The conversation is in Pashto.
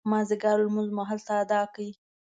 مازدیګر لمونځ مو هلته اداء کړ.